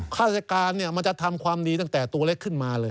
ข้าราชการมันจะทำความดีตั้งแต่ตัวเล็กขึ้นมาเลย